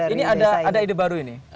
ini ada ide baru ini